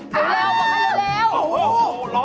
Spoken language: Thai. เบ้งมือหน่อยเร็วกลัวบอกมันเร็ว